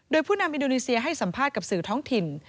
โดยผู้นำอินโดนีเซียให้สัมภาษณ์กับสื่อท้องถิ่น